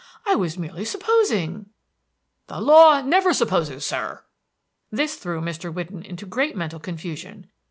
I was merely supposing" "The law never supposes, sir!" This threw Mr. Whidden into great mental confusion.